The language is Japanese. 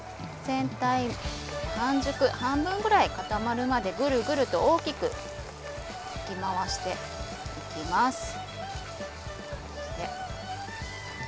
全体半熟半分ぐらい固まるまでぐるぐると大きくかき回していきます。